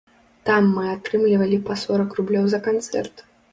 Там мы атрымлівалі па сорак рублёў за канцэрт.